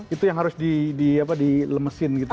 itu yang harus dilemesin gitu